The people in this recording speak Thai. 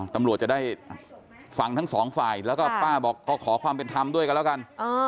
ตำรวจจะได้ฟังทั้งสองฝ่ายแล้วก็ป้าบอกก็ขอความเป็นธรรมด้วยกันแล้วกัน